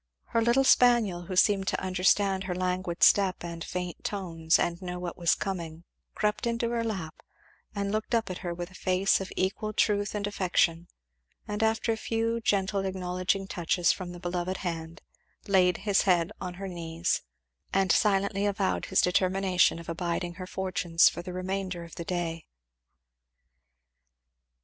Her little spaniel, who seemed to understand her languid step and faint tones and know what was coming, crept into her lap and looked up at her with a face of equal truth and affection; and after a few gentle acknowledging touches from the loved hand, laid his head on her knees, and silently avowed his determination of abiding her fortunes for the remainder of the day.